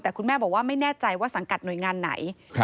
แต่คุณแม่บอกว่าไม่แน่ใจว่าสังกัดหน่วยงานไหน